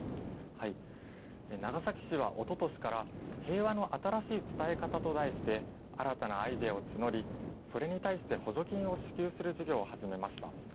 長崎市はおととしから平和の新しい伝え方と題して、新たなアイデアを募り、それに対して補助金を支給する事業を始めました。